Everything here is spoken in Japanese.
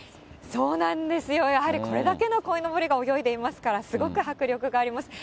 そうなんですよ、やはりこれだけのこいのぼりが泳いでいますから、すごく迫力があります。